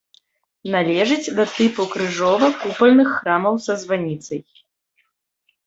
Належыць да тыпу крыжова-купальных храмаў са званіцай.